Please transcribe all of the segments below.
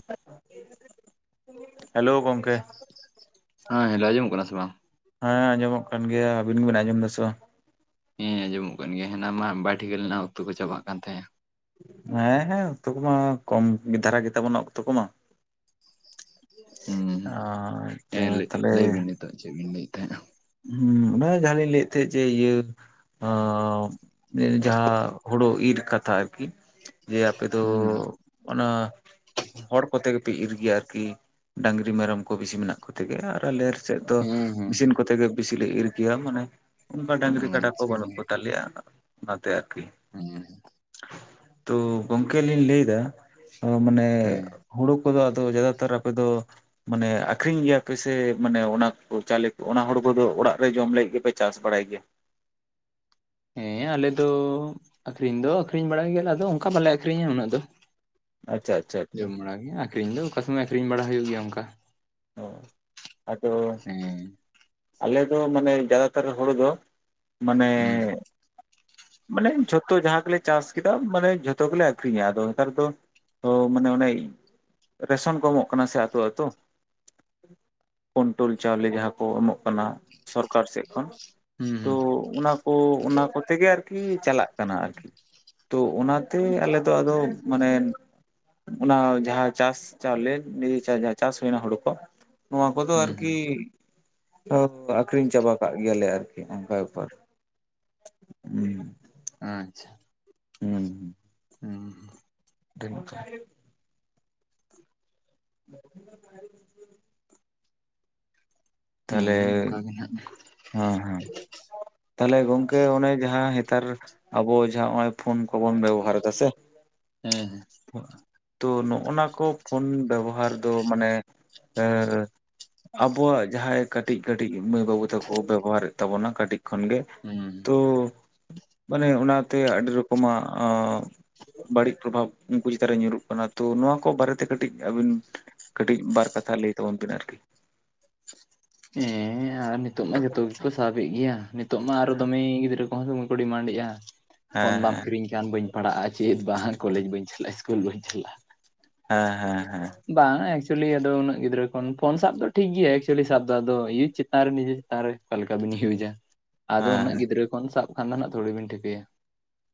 [unintelligible] Hello ᱜᱚᱢᱠᱮ᱾ ᱦᱮᱸ hello ᱟᱡᱚᱢᱚᱜ ᱠᱟᱱᱟ ᱥᱮ ᱵᱟᱝ᱾ ᱦᱮᱸ ᱟᱸᱡᱚᱢᱚᱜ ᱠᱟᱱ ᱜᱮᱭᱟ ᱟᱵᱤᱱ ᱜᱮᱵᱤᱱ ᱟᱸᱡᱚᱢ ᱫᱟ ᱥᱮ ᱵᱟᱝ᱾ ᱦᱮᱸ ᱟᱸᱚᱢᱚᱜ ᱠᱟᱱ ᱜᱮᱭᱟ ᱦᱮᱱᱟ ᱢᱟ ᱵᱟᱭ ᱴᱷᱤᱠᱟᱹ ᱞᱮᱱᱟ ᱚᱠᱛᱚ ᱠᱚ ᱪᱟᱵᱟᱜ ᱠᱟᱱ ᱛᱟᱦᱮᱸ-ᱟ ᱦᱮᱸ ᱦᱮᱸ ᱚᱠᱛᱚ ᱠᱚᱢᱟ ᱠᱚᱢ ᱫᱷᱟᱨᱟ ᱜᱮᱛᱟᱵᱚᱱᱟ ᱚᱠᱛᱚ ᱠᱚᱢᱟ᱾ ᱦᱩᱸ ᱚᱻ ᱦᱮᱸ ᱟᱪᱷᱟ ᱞᱟᱹᱭ ᱞᱟᱹᱭ ᱵᱤᱱ ᱛᱟᱦᱚᱞᱮ᱾ ᱱᱤᱛᱚᱜ ᱪᱮᱵᱤᱱ ᱞᱟᱹᱭᱮᱫ ᱛᱟᱦᱮᱸᱜ-ᱟ᱾ ᱦᱩᱸ ᱚᱱᱮ ᱡᱟᱦᱟᱸ ᱞᱤᱧ ᱞᱟᱹᱭᱮᱫ ᱛᱟᱦᱮᱸᱫ ᱡᱮ ᱤᱭᱟᱹ᱾ ᱦᱚᱸᱻ ᱱᱤᱭᱮ ᱫᱚ ᱡᱟᱦᱟᱸ ᱦᱩᱲᱳ ᱤᱨ ᱠᱟᱛᱷᱟ ᱟᱨᱠᱤ᱾ ᱡᱮ ᱟᱯᱮ ᱫᱚ ᱦᱩᱸ ᱚᱱᱟ᱾ ᱦᱚᱲ ᱠᱚᱛᱮ ᱜᱮᱯᱮ ᱤᱨ ᱜᱮᱭᱟ ᱟᱨᱠᱤ ᱰᱟᱝᱨᱤ ᱢᱮᱨᱚᱢ ᱠᱚ ᱵᱤᱥᱤ ᱢᱮᱱᱟᱜ ᱠᱚᱛᱮ ᱜᱮ ᱟᱨ ᱟᱞᱮ᱾ ᱥᱮᱫ ᱫᱚ ᱦᱮᱸ ᱦᱮᱸ ᱢᱮᱤᱥᱤᱱ ᱠᱚᱛᱮ ᱜᱮ ᱵᱮᱥᱤ ᱞᱮ ᱤᱨ ᱜᱮᱭᱟ ᱢᱟᱱᱮ᱾ ᱚᱱᱠᱟ ᱦᱮᱸ ᱰᱟᱹᱝᱨᱤ ᱠᱟᱰᱟ ᱠᱚ ᱟᱪᱪᱷᱟ ᱵᱟᱹᱱᱩᱜ ᱠᱚᱛᱟᱞᱮᱭᱟ ᱚᱱᱟᱛᱮ ᱟᱨᱠᱤ᱾ ᱦᱩᱸ ᱛᱚ ᱜᱚᱝᱠᱮ ᱞᱤᱧ ᱞᱟᱹᱭᱫᱟ ᱚ ᱢᱟᱱᱮ᱾ ᱦᱮᱸ ᱦᱩᱲᱩ ᱠᱚᱫᱚ ᱟᱫᱚ ᱡᱟᱫᱟ ᱛᱟᱨ ᱟᱯᱮᱫᱚ ᱢᱟᱱᱮ ᱟᱠᱷᱨᱤᱧ ᱜᱮᱭᱟ ᱯᱮ ᱥᱮ ᱢᱟᱱᱮ ᱚᱱᱟ ᱠᱚ ᱪᱟᱭᱞᱮ? ᱚᱱᱟ ᱦᱩᱲᱩ ᱠᱚᱫᱚ ᱚᱲᱟᱜ ᱨᱮ ᱡᱚᱢ ᱞᱟᱹᱜᱤᱫ ᱜᱮᱯᱮ ᱪᱟᱥ ᱵᱟᱲᱟᱭ ᱜᱮᱭᱟ? ᱦᱮᱸ ᱟᱞᱮ ᱫᱚ ᱟᱠᱷᱨᱤᱧ ᱫᱚ ᱟᱠᱷᱨᱤᱧ ᱵᱟᱲᱟᱭ ᱜᱮᱭᱟᱞᱮ ᱟᱫᱚ ᱚᱱᱠᱟ ᱵᱟᱞᱮ ᱟᱠᱷᱨᱤᱧᱟ ᱩᱱᱟᱹᱜ ᱫᱚ᱾ ᱟᱪᱪᱷᱟ ᱟᱪᱪᱷᱟ ᱟᱪᱪᱷᱟ ᱡᱚᱢ ᱵᱟᱲᱟ ᱜᱮ ᱟᱹᱠᱷᱨᱤᱧ ᱫᱚ ᱚᱠᱟ ᱥᱚᱢᱚᱭ ᱟᱠᱷᱨᱤᱧ ᱵᱟᱲᱟ ᱦᱩᱭᱩᱜ ᱜᱮᱭᱟ ᱚᱱᱠᱟ᱾ ᱚ ᱟᱫᱚ ᱦᱮᱸ ᱟᱞᱮ ᱫᱚ ᱢᱟᱱᱮ ᱡᱟᱫᱟᱛᱟᱨ ᱦᱚᱲᱩ ᱫᱚ ᱢᱟᱱᱮ᱾ ᱦᱩᱸ ᱢᱟᱱᱮ ᱡᱷᱚᱛᱚ ᱡᱟᱦᱟᱸ ᱠᱚᱞᱮ ᱪᱟᱥ ᱠᱮᱫᱟ ᱢᱟᱱᱮ ᱡᱷᱚᱛᱚ ᱜᱮᱞᱮ ᱟᱠᱷᱨᱤᱧᱟ ᱟᱫᱚ ᱱᱮᱛᱟᱨ ᱫᱚ᱾ ᱛᱚ ᱢᱟᱱᱮ ᱚᱱᱮ ᱨᱮᱥᱚᱱ ᱠᱚ ᱮᱢᱚᱜ ᱠᱟᱱᱟ ᱥᱮ ᱟᱹᱛᱩ ᱟᱛᱳ᱾ ᱠᱳᱱᱴᱳᱞ ᱪᱟᱣᱞᱮ ᱡᱟᱦᱟᱸ ᱠᱚ ᱮᱢᱚᱜ ᱠᱟᱱᱟ ᱥᱚᱨᱠᱟᱨ ᱥᱮᱫ ᱠᱷᱚᱱ᱾ ᱦᱩᱸ ᱛᱚ ᱦᱩᱸ ᱚᱱᱟ ᱠᱚ ᱚᱱᱟ ᱠᱚᱛᱮᱜᱮ ᱟᱨᱠᱤ ᱪᱟᱞᱟᱜ ᱠᱟᱱᱟ ᱟᱨᱠᱤ᱾ ᱛᱚ ᱚᱱᱟᱛᱮ ᱟᱞᱮ ᱫᱚ ᱟᱫᱚ ᱢᱟᱱᱮ ᱚᱱᱟ ᱡᱟᱦᱟᱸ ᱪᱟᱥ ᱪᱟᱣᱞᱮ ᱱᱤᱭᱮ ᱡᱟᱦᱟ ᱪᱟᱥ ᱦᱩᱭᱱᱟ ᱦᱩᱲᱩ ᱠᱚ ᱱᱚᱣᱟ ᱠᱚᱫᱚ ᱦᱩᱸ ᱦᱩᱸ ᱟᱨᱠᱤ ᱟᱫᱚ ᱟᱠᱷᱨᱤᱧ ᱪᱟᱵᱟ ᱠᱟᱜ ᱜᱮᱭᱟᱞᱮ ᱟᱨᱠᱤ ᱚᱱᱠᱟ ᱵᱮᱯᱟᱨ ᱩᱸᱻ ᱟᱪᱪᱷᱟ ᱦᱩᱸ ᱦᱩᱸ ᱦᱩᱸᱻ [unintelligible] [unintelligible] ᱛᱟᱦᱞᱮ ᱦᱮᱸ ᱚᱱᱠᱟ ᱜᱮ ᱱᱟᱜ ᱦᱮᱸ ᱦᱮᱸ᱾ ᱛᱟᱦᱞᱮ ᱜᱚᱝᱠᱮ ᱚᱱᱮ ᱡᱟᱦᱟᱸ ᱦᱮᱛᱟᱨ ᱟᱵᱚ ᱡᱟᱦᱟᱸ ᱱᱚᱜᱼᱚᱭ ᱯᱷᱳᱱ ᱠᱚᱵᱚᱱ ᱵᱮᱵᱚᱦᱟᱨ ᱮᱫᱟ ᱥᱮ? ᱦᱮᱸ ᱦᱮᱸ᱾ ᱛᱚ ᱱᱚᱜ-ᱚ ᱱᱟ ᱠᱚ ᱯᱷᱳᱱ ᱵᱮᱵᱚᱦᱟᱨ ᱫᱚ ᱢᱟᱱᱮ ᱮᱻ ᱟᱵᱚᱣᱟᱜ ᱡᱟᱦᱟᱸᱭ ᱠᱟᱹᱴᱤᱡ ᱠᱟᱹᱴᱤᱡ ᱢᱟᱹᱭ ᱵᱟᱹᱵᱩ ᱛᱟᱠᱚ ᱵᱮᱵᱚᱦᱟᱨᱮᱫ ᱛᱟᱵᱚᱱᱟ ᱠᱟᱹᱴᱤᱡ ᱠᱷᱚᱱᱜᱮ ᱦᱮᱸ ᱦᱩᱸ ᱛᱚ ᱢᱟᱱᱮ ᱚᱱᱟᱛᱮ ᱟᱹᱰᱤ ᱨᱚᱠᱚᱢᱟᱜ ᱵᱟᱹᱲᱤᱡᱽ ᱯᱨᱚᱵᱷᱟᱵᱽ ᱩᱱᱠᱩ ᱪᱮᱛᱟᱱ ᱨᱮ ᱧᱩᱨᱩᱜ ᱠᱟᱱᱟ ᱛᱚ ᱱᱚᱣᱟ ᱠᱚ ᱵᱟᱨᱮᱛᱮ ᱠᱟᱹᱴᱤᱡ ᱟᱹᱵᱤᱱ ᱠᱟᱹᱴᱤᱡ ᱵᱟᱨ ᱠᱟᱛᱷᱟ ᱞᱟᱹᱭ ᱛᱟᱵᱚᱱ ᱵᱤᱱ ᱟᱨᱠᱤ᱾ ᱦᱮᱸ ᱟᱨ ᱱᱤᱛᱚᱜ ᱢᱟ ᱡᱚᱛᱚ ᱜᱮᱠᱚ ᱥᱟᱵᱮᱫ ᱜᱮᱭᱟ, ᱱᱤᱛᱚᱜ ᱢᱟ ᱟᱨᱚ ᱫᱚᱢᱮ ᱜᱤᱫᱽᱨᱟᱹ ᱯᱷᱳᱱ ᱫᱚᱢᱮ ᱠᱚ ᱰᱤᱢᱟᱱᱰ ᱮᱼᱟ ᱯᱷᱳᱱ ᱵᱟᱢ ᱦᱮᱸ ᱠᱤᱨᱤᱧ ᱜᱟᱱ ᱵᱟᱹᱧ ᱯᱟᱲᱦᱟᱜᱼᱟ ᱪᱮᱫ ᱵᱟᱝ ᱠᱚᱞᱮᱡᱽ ᱵᱟᱹᱧ ᱪᱟᱞᱟᱜᱼᱟ, ᱤᱥᱠᱩᱞ ᱵᱟᱹᱧ ᱪᱟᱞᱟᱜ᱾ ᱦᱮᱸ ᱦᱮᱸ ᱦᱮᱸ᱾ ᱵᱟᱝ ᱮᱠᱪᱩᱭᱮᱞᱤ ᱟᱫᱚ ᱩᱱᱟᱹᱜ ᱜᱤᱫᱽᱨᱟᱹ ᱠᱷᱚᱱ ᱯᱷᱳᱱ ᱥᱟᱵ ᱫᱚ ᱴᱷᱤᱠ ᱜᱮᱭᱟ ᱮᱠᱪᱩᱭᱮᱞᱤ ᱥᱟᱵ ᱫᱚ ᱟᱫᱚ ᱤᱭᱟᱹ ᱪᱮᱛᱟᱱ ᱨᱮ ᱱᱤᱡᱮ ᱟᱨᱮ ᱚᱠᱟ ᱞᱮᱠᱟ ᱵᱤᱱ ᱤᱭᱩᱡᱟ, ᱟᱫᱚ ᱦᱮᱸ ᱩᱱᱟᱹᱜ ᱜᱤᱫᱽᱨᱟᱹ ᱠᱷᱚᱱ ᱥᱟᱵ ᱠᱷᱟᱱ ᱫᱚ ᱦᱟᱸᱜ ᱛᱷᱚᱲᱤ ᱵᱤᱱ ᱴᱷᱤᱠᱟᱹᱭᱟ᱾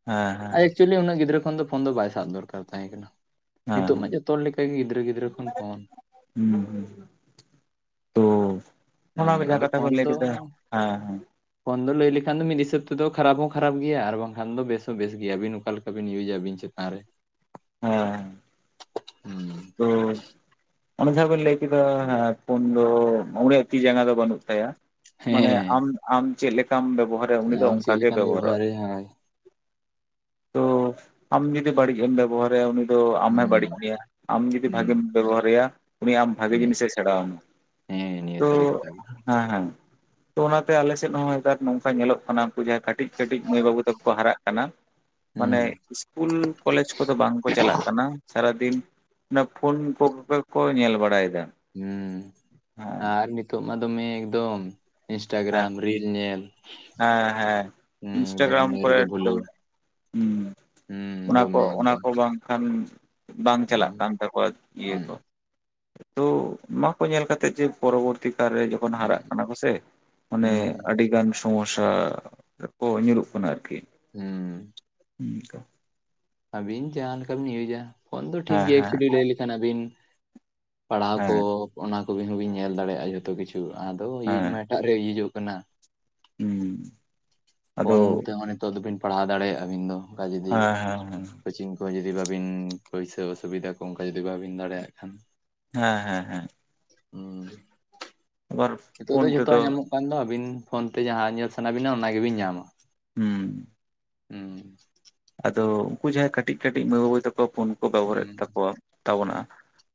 ᱦᱮᱸ ᱦᱮᱸ᱾ ᱪᱩᱭᱞᱤ ᱩᱱᱟᱹᱜ ᱜᱤᱫᱽᱨᱟᱹ ᱠᱷᱳᱱ ᱫᱚ ᱯᱷᱳᱱ ᱫᱚ ᱵᱟᱭ ᱥᱟᱵ ᱫᱚᱨᱠᱟᱨ ᱛᱟᱦᱮᱸ ᱠᱟᱱᱟ, ᱦᱮᱸ ᱱᱤᱛᱚᱜ ᱦᱮᱸ ᱢᱟ ᱡᱚᱛᱚ ᱦᱚᱲ ᱞᱮᱠᱟ ᱜᱤᱫᱽ [inaudible] ᱦᱩᱸ ᱦᱩᱸ᱾ ᱛᱳ ᱦᱩᱸ ᱚᱱᱟ ᱞᱮᱠᱟ ᱟᱫᱚ ᱠᱟᱛᱷᱟ ᱠᱚ ᱯᱷᱳᱱ ᱞᱟᱹᱭ ᱫᱚ ᱠᱮᱫᱟ ᱦᱟᱸ ᱦᱟᱸ᱾ ᱯᱷᱳᱱ ᱫᱚ ᱞᱟᱹᱭ ᱞᱮᱠᱷᱟᱱ ᱢᱤᱫ ᱦᱤᱥᱟᱹᱵᱽ ᱛᱮᱫᱚ ᱠᱷᱟᱨᱟᱯ ᱦᱚᱸ ᱠᱷᱟᱨᱟᱯ ᱜᱮᱭᱟ ᱟᱨ ᱵᱟᱝᱠᱷᱟᱱ ᱫᱚ ᱵᱮᱥ ᱦᱚᱸ ᱵᱮᱥ ᱜᱮᱭᱟ ᱟᱹᱵᱤᱱ ᱚᱠᱟ ᱞᱮᱠᱟ ᱟᱹᱵᱤᱱ ᱤᱭᱩᱡᱟᱵᱤᱱ ᱪᱮᱛᱟᱱ ᱨᱮ᱾ ᱦᱮᱸ᱾ [unintelligible] ᱩᱸᱻ ᱛᱳ᱾ ᱚᱱᱮ ᱡᱟᱦᱟᱸ ᱵᱤᱱ ᱞᱟᱹᱭ ᱠᱮᱫᱟ ᱦᱮᱸ ᱯᱩᱱ ᱫᱚ ᱩᱱᱤᱭᱟᱜ ᱛᱤ ᱡᱟᱸᱜᱟ ᱫᱚ ᱵᱟᱹᱱᱩᱜ ᱛᱟᱭᱟ᱾ ᱢᱟᱱᱮ ᱦᱮᱸ ᱟᱢ ᱟᱢ ᱪᱮᱫ ᱞᱮᱠᱟᱢ ᱵᱮᱵᱚᱦᱟᱨᱮ ᱩᱱᱤ ᱫᱚ ᱟᱢ ᱪᱮᱫ ᱚᱱᱠᱟᱜᱮ ᱞᱮᱠᱟᱢ ᱵᱮᱵᱚᱦᱟᱨᱚᱜ-ᱟ᱾ ᱵᱮᱵᱚᱦᱟᱨᱮᱭᱟ ᱦᱳᱭ ᱛᱚ ᱟᱢ ᱡᱩᱫᱤ ᱵᱟᱹᱲᱤᱡᱽ ᱮᱢ ᱵᱮᱵᱚᱦᱟᱨᱮᱭᱟ ᱩᱱᱤ ᱫᱚ ᱟᱢᱮ ᱵᱟᱹᱲᱤᱡᱽ ᱦᱩᱸ ᱢᱮᱭᱟ᱾ ᱟᱢ ᱡᱩᱫᱤ ᱵᱷᱟᱜᱮᱢ ᱦᱩᱸ ᱵᱮᱵᱚᱦᱟᱨᱮᱭᱟ ᱩᱱᱤ ᱟᱢ ᱵᱷᱟᱜᱮ ᱦᱩᱸ ᱡᱤᱱᱤᱥᱮ ᱥᱮᱬᱟ ᱟᱢᱟ ᱦᱮᱸ ᱱᱤᱭᱟᱹ ᱛᱚ ᱥᱟᱹᱨᱤ ᱠᱟᱛᱷᱟ ᱜᱮ ᱦᱮᱸ ᱦᱮᱸ᱾ ᱛᱚ ᱚᱱᱟᱛᱮ ᱟᱞᱮᱥᱮᱫ ᱦᱚᱸ ᱱᱮᱛᱟᱨ ᱱᱚᱝᱠᱟ ᱧᱮᱞᱚᱜ ᱠᱟᱱᱟ ᱩᱱᱠᱩ ᱡᱟᱦᱟᱸᱭ ᱠᱟᱹᱴᱤᱡᱽ ᱠᱟᱹᱴᱤᱡᱽ ᱢᱟᱹᱭ ᱵᱟᱹᱵᱩ ᱛᱟᱠᱚ ᱠᱚ ᱦᱟᱨᱟᱜ ᱠᱟᱱᱟ᱾ [inaudible] ᱢᱟᱱᱮ ᱤᱥᱠᱩᱞ ᱠᱚᱞᱮᱡᱽ ᱠᱚᱫᱚ ᱵᱟᱝᱠᱚ ᱪᱟᱞᱟᱜ ᱠᱟᱱᱟ ᱥᱟᱨᱟᱫᱤᱱ ᱚᱱᱟ ᱯᱷᱩᱱ ᱠᱚᱜᱮ ᱠᱚ ᱧᱮᱞ ᱵᱟᱲᱟᱭᱮᱫᱟ᱾ ᱦᱩᱸ ᱦᱮᱸ ᱟᱨ ᱱᱤᱛᱚᱜ ᱢᱟ ᱫᱚᱢᱮ ᱮᱠᱫᱚᱢ ᱦᱮᱸ ᱤᱱᱥᱴᱟᱜᱨᱟᱢ ᱨᱤᱞ ᱧᱮᱞ᱾ ᱦᱮᱸ ᱦᱮᱸ ᱦᱩᱸ ᱮᱠᱫᱚᱢ ᱤᱱᱥᱴᱟᱜᱨᱟᱢ ᱤᱱᱟᱹ ᱠᱚᱨᱮ ᱨᱮᱜᱮ ᱵᱷᱩᱞᱟᱹᱣ ᱦᱩᱸ᱾ ᱦᱩᱸ ᱚᱱᱟ ᱠᱚ ᱫᱚᱢᱮ ᱚᱱᱟ ᱮᱠᱫᱚᱢ ᱠᱚ ᱵᱟᱝᱠᱷᱟᱱ ᱵᱟᱝ ᱦᱩᱸ ᱪᱟᱞᱟᱜ ᱠᱟᱱ ᱛᱟᱠᱚᱣᱟ ᱤᱭᱟᱹ ᱦᱩᱸ ᱠᱚ᱾ ᱛᱚ ᱱᱚᱣᱟ ᱠᱚ ᱧᱮᱞ ᱠᱟᱛᱮ ᱡᱮ ᱯᱚᱨᱚᱵᱚᱨᱛᱤ ᱠᱟᱞᱨᱮ ᱵᱚᱱ ᱦᱟᱨᱟᱜ ᱦᱩᱸ ᱠᱟᱱᱟ ᱠᱚᱥᱮ, ᱚᱱᱮ ᱦᱩᱸ ᱟᱹᱰᱤ ᱜᱟᱱ ᱥᱚᱢᱚᱥᱥᱟ ᱠᱚ ᱧᱩᱨᱩᱜ ᱠᱟᱱᱟ ᱟᱨᱠᱤ᱾ ᱦᱩᱸᱻ ᱩᱸᱠᱟ᱾ ᱟᱹᱵᱤᱱ ᱡᱟᱦᱟᱸ ᱞᱮᱠᱟ ᱵᱤᱱ ᱤᱭᱩᱡᱟ, ᱯᱷᱳᱱ ᱫᱚ ᱴᱷᱤᱠ ᱦᱮᱸ ᱜᱮᱭᱟ ᱦᱮᱸ ᱮᱠᱪᱩᱭᱮᱞᱤ ᱞᱟᱹᱭ ᱞᱮᱠᱷᱟᱱ ᱟᱹᱵᱤᱱ ᱯᱟᱲᱦᱟᱣ ᱠᱚ ᱦᱮᱸ ᱚᱱᱟ ᱠᱚᱜᱮ ᱦᱚᱸᱵᱤᱱ ᱧᱮᱞ ᱫᱟᱲᱮᱭᱟᱜ-ᱟ ᱡᱷᱚᱛᱚ ᱠᱤᱪᱷᱩ ᱟᱫᱚ ᱤᱭᱩᱡᱽ ᱦᱮᱸ ᱢᱮ ᱮᱴᱟᱜ ᱨᱮ ᱤᱭᱩᱡᱚᱜ ᱠᱟᱱᱟ ᱾ ᱦᱩᱸ ᱾ ᱯᱷᱳᱱ ᱛᱮᱦᱚᱸ ᱱᱤᱛᱚᱜ ᱫᱚᱵᱤᱱ ᱯᱟᱲᱦᱟᱣ ᱫᱟᱲᱮᱭᱟᱜᱼᱟᱹᱵᱤᱱ ᱫᱚ ᱚᱱᱠᱟ ᱡᱩᱫᱤ ᱦᱮᱸ ᱦᱮᱸ ᱦᱮᱸ ᱠᱳᱪᱤᱝ ᱠᱚ ᱡᱩᱫᱤ ᱵᱟᱹᱵᱤᱱ ᱯᱩᱭᱥᱟᱹ ᱚᱥᱩᱵᱤᱫᱟ ᱠᱚ ᱚᱱᱠᱟ ᱡᱩᱫᱤ ᱵᱟᱹᱵᱤᱱ ᱫᱟᱲᱮᱭᱟᱜ ᱠᱷᱟᱱ ᱾ ᱦᱮᱸ ᱦᱮᱸ ᱦᱮᱸ ᱾ ᱦᱩᱸ ᱾ ᱟᱵᱟᱨ ᱱᱤᱛᱚᱜ ᱯᱷᱳᱱ ᱫᱚ ᱛᱮᱫᱚ ᱡᱷᱚᱛᱚᱣᱟᱜ ᱧᱟᱢᱚᱜ ᱠᱟᱱ ᱫᱚ ᱟᱹᱵᱤᱱ ᱯᱷᱳᱱ ᱛᱮ ᱡᱟᱦᱟᱸ ᱧᱮᱞ ᱥᱟᱱᱟ ᱵᱤᱱᱟ ᱚᱱᱟ ᱜᱮᱵᱤᱱ ᱧᱟᱢᱟ ᱾ ᱦᱩᱸ ᱾ ᱦᱩᱸ ᱾ ᱟᱫᱚ ᱩᱱᱠᱩ ᱡᱟᱦᱟᱸᱭ ᱠᱟᱹᱴᱤᱡ ᱠᱟᱹᱴᱤᱡ ᱢᱟᱹᱭ ᱵᱟᱹᱵᱩ ᱛᱟᱠᱚ ᱯᱳᱩᱱ ᱠᱚ ᱵᱮᱵᱚᱦᱟᱨ ᱦᱩᱸ ᱮᱫ ᱛᱟᱠᱚᱣᱟ, ᱛᱟᱵᱚᱱᱟ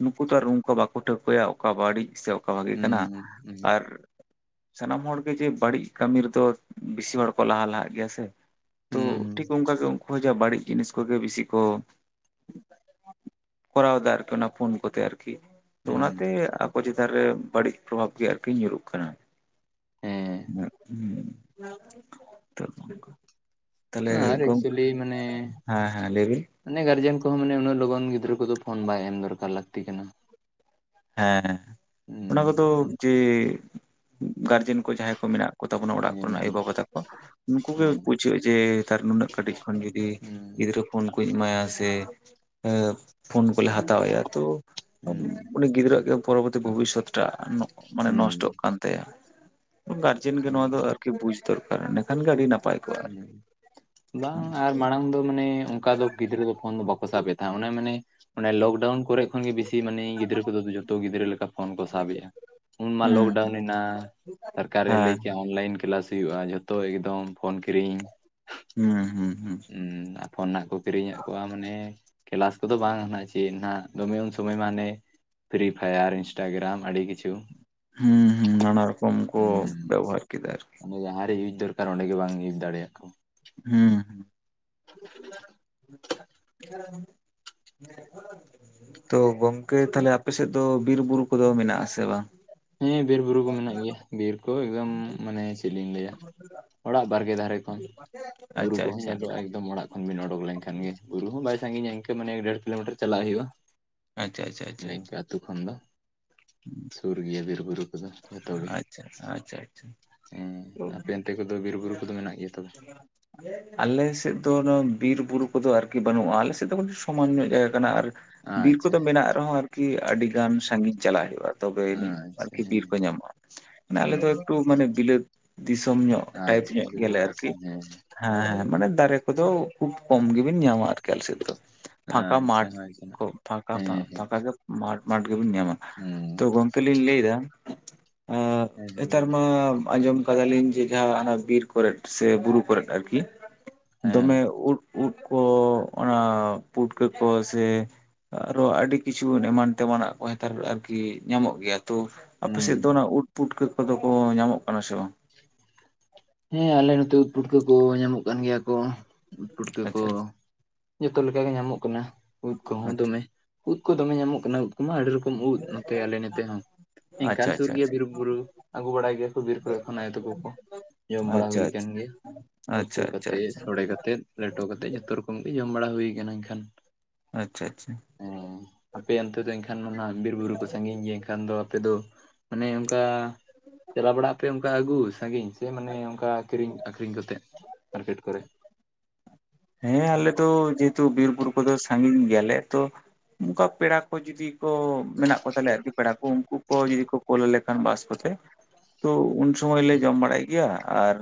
ᱱᱩᱠᱩ ᱛᱚ ᱟᱨ ᱚᱱᱠᱟ ᱵᱟᱠᱚ ᱴᱷᱟᱹᱣᱠᱟᱹᱭᱟ ᱚᱠᱟ ᱵᱟᱹᱲᱤᱡ ᱥᱮ ᱵᱷᱟᱜᱮ ᱦᱩᱸ ᱠᱟᱱᱟ ᱦᱩᱸ ᱟᱨ ᱥᱟᱱᱟᱢ ᱦᱚᱲᱜᱮ ᱡᱮ ᱵᱟᱹᱲᱤᱡ ᱠᱟᱹᱢᱤ ᱨᱮᱫᱚ ᱵᱮᱥᱤ ᱦᱚᱲ ᱠᱚ ᱞᱟᱦᱟ ᱞᱟᱦᱟᱜ ᱜᱮᱭᱟ ᱥᱮ ᱾ ᱛᱚ ᱴᱷᱤᱠ ᱦᱩᱸ ᱚᱱᱠᱟᱜᱮ ᱩᱱᱠᱩ ᱦᱚᱸ ᱡᱟ ᱵᱟᱹᱲᱤᱡ ᱡᱤᱱᱤᱥ ᱠᱚᱜᱮ ᱵᱤᱥᱤ ᱠᱚ ᱠᱚᱨᱟᱣ ᱫᱟ ᱟᱨᱠᱤ ᱚᱱᱟ ᱯᱷᱳᱱ ᱠᱚᱛᱮ ᱟᱨᱠᱤ ᱾ ᱛᱚ ᱦᱩᱸ ᱚᱱᱟᱛᱮ ᱟᱵᱚ ᱪᱮᱛᱟᱱ ᱨᱮ ᱵᱟᱹᱲᱤᱡ ᱯᱨᱚᱵᱷᱟᱵᱽ ᱜᱮ ᱟᱨᱠᱤ ᱧᱩᱨᱩᱜ ᱠᱟᱱᱟ᱾ ᱦᱮᱸ [unintelligible] ᱛᱟᱦᱚᱞᱮ ᱟᱨ ᱜᱚᱝᱠᱮ ᱮᱠᱪᱩᱭᱮᱞᱤ ᱢᱟᱱᱮ ᱦᱮᱸ ᱦᱮᱸ ᱞᱟᱹᱭ ᱵᱤᱱ, ᱢᱟᱱᱮ ᱜᱟᱨᱡᱮᱱ ᱠᱚᱦᱚᱸ ᱢᱟᱱᱮ ᱩᱱᱟᱹᱜ ᱞᱚᱜᱚᱱ ᱜᱤᱫᱽᱨᱟᱹ ᱠᱚᱫᱚ ᱯᱷᱳᱱ ᱵᱟᱭ ᱮᱢ ᱫᱚᱨᱠᱟᱨ ᱞᱟᱹᱠᱛᱤ ᱠᱟᱱᱟ ᱾ ᱦᱮᱸ ᱦᱩᱸ ᱚᱱᱟ ᱠᱚᱫᱚ ᱦᱮᱸ ᱡᱮ ᱜᱟᱨᱡᱮᱱ ᱠᱚ ᱡᱟᱦᱟᱸᱭ ᱠᱚ ᱢᱮᱱᱟᱜ ᱠᱚᱛᱟ ᱵᱚᱱᱟ ᱚᱲᱟᱜ ᱦᱮᱸ ᱠᱚᱨᱮᱱ ᱟᱭᱳ ᱵᱟᱵᱟ ᱛᱟᱠᱚ, ᱱᱩᱠᱩ ᱜᱮ ᱵᱩᱡᱷᱟᱹ ᱡᱮ ᱛᱟᱨ ᱱᱩᱱᱟᱹᱜ ᱠᱟᱹᱴᱤᱡ ᱠᱷᱚᱱ ᱡᱩᱫᱤ ᱦᱮᱸ ᱜᱤᱫᱽᱨᱟᱹ ᱯᱷᱳᱱ ᱠᱚᱧ ᱮᱢᱟᱭᱟ ᱥᱮ ᱯᱷᱳᱱ ᱠᱚᱞᱮ ᱦᱟᱛᱟᱣᱼᱟᱭᱟ ᱛᱳ ᱦᱩᱸ ᱩᱱᱤ ᱜᱤᱫᱽᱨᱟᱹᱣᱟᱜ ᱜᱮ ᱯᱚᱨᱚᱵᱚᱨᱛᱤ ᱵᱷᱚᱵᱤᱥᱥᱚᱛ ᱴᱟᱜ ᱱᱚᱜ ᱢᱟᱱᱮ ᱦᱩᱸ ᱱᱚᱥᱴᱚᱜ ᱠᱟᱱ ᱛᱟᱭᱟ ᱜᱟᱨ ᱪᱮᱱ ᱜᱮ ᱱᱚᱣᱟ ᱫᱚ ᱦᱩᱸ ᱟᱨᱠᱤ ᱵᱩᱡ ᱫᱚᱨᱠᱟᱨ ᱮᱱᱮᱠᱷᱟᱱ ᱜᱮ ᱟᱹᱰᱤ ᱱᱟᱯᱟᱭ ᱾ ᱦᱩᱸᱢ ᱵᱟᱝ ᱟᱨ ᱢᱟᱲᱟᱝ ᱫᱚ ᱢᱟᱱᱮ ᱚᱱᱠᱟ ᱫᱚ ᱜᱤᱫᱽᱨᱟᱹ ᱯᱷᱳᱱ ᱫᱚ ᱵᱟᱠᱚ ᱥᱟᱵ ᱮᱫᱟ ᱚᱱᱮ ᱢᱟᱱᱮ ᱢᱟᱱᱮ ᱞᱚᱠᱰᱟᱣᱩᱱ ᱠᱚᱨᱮ ᱠᱷᱚᱱ ᱜᱮ ᱵᱮᱥᱤ ᱢᱟᱱᱮ ᱜᱤᱫᱽᱨᱟᱹ ᱠᱚᱫᱚ ᱡᱚᱛᱚ ᱜᱤᱫᱽᱨᱟᱹ ᱞᱮᱠᱟ ᱯᱷᱳᱱ ᱠᱚ, ᱥᱟᱵᱮᱼᱟ ᱩᱱ ᱢᱟ ᱦᱩᱸ ᱞᱚᱠᱰᱟᱣᱱ ᱮᱱᱟ ᱥᱚᱨᱠᱟᱨᱮ ᱞᱟᱹᱭ ᱦᱮᱸ ᱠᱨᱭᱟ ᱞᱟᱭᱤᱱ ᱠᱮᱞᱟᱥ ᱦᱩᱭᱩᱜᱼᱟ ᱡᱷᱚᱛᱚ ᱮᱠᱫᱚᱢ ᱯᱷᱳᱱ ᱠᱤᱨᱤᱧ, ᱦᱩᱸ ᱦᱩᱸ ᱦᱩᱸ ᱦᱩᱸ ᱦᱩᱸ ᱟᱻ ᱯᱷᱳᱚᱱ ᱱᱟᱷᱟᱜ ᱠᱚ ᱠᱤᱨᱤᱧᱮᱫ ᱠᱚᱣᱟ ᱢᱟᱱᱮ, ᱠᱮᱞᱟᱥ ᱠᱚᱫᱚ ᱵᱟᱝ ᱦᱟᱱᱟᱜ ᱪᱮᱫ ᱱᱟᱷᱟᱜ ᱫᱚᱢᱮ ᱩᱱ ᱥᱚᱢᱚᱭ ᱢᱟ ᱦᱟᱱᱮ, ᱯᱷᱨᱤ ᱯᱷᱟᱭᱟᱨ ᱤᱱᱥᱴᱟᱜᱨᱟᱢ ᱟᱹᱰᱤ ᱠᱤᱪᱷᱩ, ᱦᱩᱸ ᱦᱩᱸ ᱱᱟᱱᱟ ᱨᱚᱠᱚᱢ ᱠᱚ ᱵᱮᱵᱷᱟᱨ ᱠᱮᱫᱟ ᱟᱨᱠᱤ ᱡᱟᱜᱟᱭ ᱨᱮ ᱤᱭᱩᱡᱽ ᱫᱚᱨ ᱟᱨ ᱚᱸᱰᱮ ᱜᱮ ᱵᱟᱝ ᱤᱭᱩᱡᱽ ᱫᱟᱲᱮᱭᱟᱜ ᱠᱚᱱ ᱦᱩᱸ ᱦᱩᱸ, ᱛᱚ ᱜᱚᱝᱠᱮ ᱛᱟᱞᱦᱮ ᱟᱯᱮ ᱥᱮᱫ ᱫᱚ ᱵᱤᱨ ᱵᱩᱨᱩ ᱠᱚᱫᱚ ᱢᱮᱱᱟᱜ ᱟᱥᱮ ᱵᱟᱝ? ᱦᱮᱸ ᱵᱤᱨ ᱵᱩᱨᱩ ᱠᱚ ᱢᱮᱱᱟᱜ ᱜᱮᱭᱟ ᱵᱤᱨ ᱠᱚ ᱮᱠᱫᱚᱢ ᱢᱟᱱᱮ ᱞᱤᱧ ᱞᱟᱹᱭᱟ ᱾ ᱚᱲᱟᱜ ᱵᱟᱨᱜᱮ ᱫᱷᱟᱨᱮ ᱠᱷᱚᱱ ᱵᱩᱨᱩ ᱟᱪᱪᱷᱟ ᱠᱚᱦᱚᱸ ᱟᱪᱪᱷᱟ ᱧᱮᱞᱚᱜᱼᱟ ᱮᱠᱫᱚᱢ ᱚᱲᱟᱜ, ᱛᱠᱷᱚᱱ ᱵᱤᱱ ᱚᱰᱚᱠ ᱞᱮᱱᱠᱷᱟᱱ ᱜᱮ ᱵᱩᱨᱩ ᱦᱚᱸ ᱵᱟᱭ ᱥᱟᱺᱜᱤᱧᱟ ᱤᱱᱠᱟᱹ ᱢᱟᱱᱮ ᱮᱠᱚ ᱰᱮᱲ ᱠᱤᱞᱳᱢᱤᱴᱟᱨ ᱪᱟᱞᱟᱜ ᱦᱩᱭᱩᱜᱼᱟ ᱾ ᱟᱪᱪᱷᱟ ᱟᱪᱪᱷᱟ ᱟᱪᱪᱷᱟ ᱞᱤᱝᱠᱟᱹ ᱟᱪᱪᱷᱟ ᱟᱹᱛᱩ ᱠᱷᱚᱱ ᱫᱚ, [unintelligible] ᱤᱭᱟᱹ ᱵᱤᱨᱼᱵᱩᱨᱩ ᱠᱩᱫᱚ ᱡᱚᱛᱚ ᱜᱮ ᱟᱪᱪᱷᱟ ᱟᱪᱪᱷᱟ ᱮᱸ ᱟᱯᱮ ᱚᱱᱛᱮ ᱠᱚᱫᱚ ᱵᱤᱨ ᱵᱩᱨᱩ ᱠᱚᱫᱚ ᱢᱮᱱᱟᱜ ᱜᱮᱭᱟ ᱛᱚᱵᱮ? ᱟᱞᱮ ᱥᱮᱫ ᱫᱚ ᱵᱤᱨ ᱵᱩᱨᱩ ᱠᱚᱫᱚ ᱟᱨᱠᱤ ᱵᱟᱹᱱᱩᱜᱼᱟ᱾ ᱟᱞᱮ ᱥᱮᱫ ᱫᱚ ᱥᱚᱢᱟᱱ ᱧᱚᱜ ᱡᱟᱭᱜᱟ ᱠᱟᱱᱟ ᱟᱨ ᱵᱤᱨ ᱟᱪᱪᱷᱟ ᱠᱚᱫᱚ ᱦᱮᱸ ᱢᱮᱱᱟᱜ ᱨᱮᱦᱚᱸ ᱟᱨᱠᱤ ᱟᱹᱰᱤ ᱜᱟᱱ ᱥᱟᱺᱜᱤᱧ ᱪᱟᱞᱟᱜ ᱦᱩᱭᱩᱜᱼᱟ᱾ ᱛᱚᱵᱮ ᱟᱹᱱᱤᱡ ᱟᱪᱪᱷᱟ ᱟᱨᱠᱤ ᱦᱮᱸ ᱵᱤᱨ ᱠᱚ ᱧᱟᱢᱚᱜᱼᱟ᱾ ᱢᱟᱱᱮ ᱟᱞᱮ ᱦᱩᱸ ᱫᱚ ᱮᱠᱴᱩ ᱢᱟᱱᱮ ᱵᱤᱞᱟᱹᱛ ᱫᱤᱥᱚᱢ ᱧᱚᱜ ᱴᱟᱭᱤᱯ ᱟᱪᱪᱷᱟ ᱧᱚᱜ ᱜᱮᱭᱟᱞᱮ ᱵᱤᱞᱟᱹᱛ ᱟᱨᱠᱤ᱾ ᱫᱤᱥᱚᱢ ᱦᱮᱸ ᱦᱮᱸ ᱢᱟᱱᱮ ᱫᱟᱨᱮ ᱠᱚᱫᱚ ᱠᱷᱩᱵ ᱠᱚᱢ ᱜᱮᱵᱤᱱ ᱧᱟᱢᱟ ᱟᱨ ᱠᱮ ᱟᱞᱮ ᱥᱮᱫ ᱫᱚ ᱯᱷᱟᱸᱠᱟ ᱟᱪᱪᱷᱟ ᱢᱟᱴ ᱟᱪᱪᱷᱟ ᱦᱮᱸ ᱠᱚ ᱯᱷᱟᱸᱠᱟ ᱯᱷᱟᱸ ᱦᱮᱸ ᱯᱷᱟᱸᱠᱟ ᱜᱮ ᱢᱟᱴ ᱢᱟᱴ ᱜᱮᱵᱮᱱ ᱧᱟᱢᱟ᱾ ᱦᱩᱸ ᱛᱚ ᱜᱚᱝᱠᱮ ᱞᱤᱧ ᱞᱟᱹᱭᱫᱟ ᱮᱸ ᱦᱮᱸ ᱞᱟᱹᱭ ᱱᱮᱛᱟᱨ ᱵᱤᱱ ᱢᱟᱻ ᱟᱸᱡᱚᱢ ᱠᱟᱫᱟᱞᱤᱧ ᱡᱮ ᱡᱟᱦᱟᱸ ᱦᱟᱱᱟ ᱵᱤᱨ ᱠᱚᱨᱮᱫ ᱥᱮ ᱵᱩᱨᱩ ᱠᱚᱨᱮᱫ ᱟᱨᱠᱤ ᱦᱮᱸ ᱫᱚᱢᱮ ᱩᱫ ᱩᱫ ᱠᱚ ᱚᱱᱟ ᱯᱩᱴᱠᱟᱹ ᱠᱚ ᱥᱮ ᱟᱨᱚ ᱟᱹᱰᱤ ᱠᱤᱪᱷᱩ ᱮᱢᱟᱱ ᱛᱮᱢᱟᱱᱟᱜ ᱠᱚ ᱦᱮᱛᱟᱨ ᱟᱨᱠᱤ ᱧᱟᱢᱚᱜ ᱜᱮᱭᱟ ᱛᱚ᱾ ᱦᱩᱸ ᱟᱯᱮᱥᱮᱫ ᱫᱚ ᱚᱱᱟ ᱩᱫ ᱯᱩᱴᱠᱟᱹ ᱠᱚᱫᱚ ᱠᱚ ᱧᱟᱢᱚᱜ ᱠᱟᱱᱟ ᱥᱮ ᱵᱟᱝ? ᱦᱮᱸ ᱟᱞᱮ ᱱᱚᱛᱮ ᱩᱫ ᱯᱩᱴᱠᱟᱹ ᱠᱚ ᱧᱟᱢᱚᱜ ᱠᱟᱱ ᱜᱮᱭᱟ ᱠᱚ᱾ ᱯᱩᱴᱠᱟᱹ ᱠᱚ ᱟᱪᱪᱷᱟ ᱡᱚᱛᱚ ᱞᱮᱠᱟᱜᱮ ᱧᱟᱢᱚᱜ ᱠᱟᱱᱟ᱾ ᱩᱫ ᱠᱚᱦᱚᱸ ᱟᱪᱪᱷᱟ ᱫᱚᱢᱮ ᱩᱫ ᱠᱚ ᱫᱚᱢᱮ ᱧᱟᱢᱚᱜ ᱠᱟᱱᱟ ᱩᱫ ᱠᱚᱢᱟ ᱟᱹᱰᱤ ᱨᱚᱠᱚᱢ ᱩᱫ ᱱᱚᱛᱮ ᱟᱞᱮ ᱱᱮᱛᱮ ᱦᱚᱸ᱾ ᱟᱪᱪᱷᱟ ᱮᱝᱠᱟᱱ ᱥᱩᱨ ᱜᱮᱭᱟ ᱟᱪᱪᱷᱟ ᱵᱤᱨᱼᱵᱩᱨᱩ ᱟᱹᱜᱩ ᱵᱟᱲᱟᱭ ᱜᱮᱭᱟᱠᱚ ᱵᱤᱨ ᱠᱚᱨᱮ ᱠᱷᱚᱱᱟ ᱟᱭᱚ ᱛᱟᱠᱚ ᱠᱚ᱾ ᱡᱚᱢ ᱵᱟᱲᱟ ᱟᱪᱪᱷᱟ ᱦᱩᱭ ᱟᱠᱟᱱ ᱜᱮᱭᱟ ᱩᱛᱩ ᱟᱪᱪᱷᱟ ᱠᱟᱛᱮ ᱟᱪᱪᱷᱟ ᱥᱚᱲᱮ ᱠᱟᱛᱮᱫ᱾ ᱞᱮᱴᱚ ᱠᱟᱛᱮᱜ ᱡᱷᱚᱛᱚ ᱨᱚᱠᱚᱢ ᱜᱮ ᱡᱚᱢ ᱵᱟᱲᱟ ᱦᱩᱭ ᱠᱟᱱᱟ ᱮᱱᱠᱷᱟᱱ᱾ ᱟᱪᱪᱷᱟ ᱟᱪᱪᱷᱟ᱾ ᱦᱮᱸ ᱟᱯᱮᱭᱟᱜ ᱚᱱᱛᱮ ᱫᱚ ᱮᱱᱠᱷᱟᱱ ᱢᱟᱱᱟ ᱵᱤᱨᱼᱵᱩᱨᱩ ᱠᱚ ᱥᱟᱹᱜᱤᱧ ᱜᱮᱭᱟ ᱮᱱᱠᱷᱟᱱ ᱫᱚ ᱟᱯᱮ ᱫᱚ ᱢᱟᱱᱮ ᱚᱱᱠᱟ ᱪᱟᱞᱟᱣ ᱵᱟᱲᱟᱜ ᱟᱯᱮ ᱚᱱᱠᱟ ᱟᱹᱜᱩ ᱥᱟᱹᱜᱤᱧ ᱥᱮ ᱢᱟᱱᱮ ᱚᱱᱠᱟ ᱠᱤᱨᱤᱧ ᱟᱹᱠᱷᱨᱤᱧ ᱠᱟᱛᱮᱜ ᱢᱟᱨᱠᱮᱴ ᱠᱚᱨᱮ ᱾ ᱦᱮᱸ ᱟᱞᱮ ᱫᱚ ᱡᱮᱦᱮᱛᱩ ᱵᱤᱨ ᱵᱩᱨᱩ ᱠᱚᱫᱚ ᱥᱟᱹᱜᱤᱧ ᱜᱮᱭᱟᱞᱮ ᱛᱚ ᱚᱱᱠᱟ ᱯᱮᱲᱟ ᱠᱚ ᱡᱩᱫᱤ ᱠᱚ ᱢᱮᱱᱟᱜ ᱠᱚ ᱛᱟᱞᱮᱭᱟ ᱟᱨᱠᱤ ᱯᱮᱲᱟ ᱠᱚ ᱩᱱᱠᱩ ᱠᱚ ᱡᱩᱫᱤ ᱠᱚ ᱠᱳᱞ ᱟᱞᱮ ᱠᱷᱟᱱ ᱵᱟᱥᱠᱚᱛᱮ ᱛᱳ ᱩᱱᱥ ᱥᱩᱢᱟᱹᱭ ᱞᱮ ᱡᱚᱢ ᱵᱟᱲᱟᱭ ᱜᱮᱭᱟ ᱟᱨ